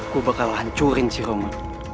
gue bakal hancurin si romo